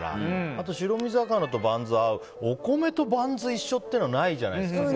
あと、白身魚とバンズは合うけどお米とバンズが一緒っていうのはないじゃないですか。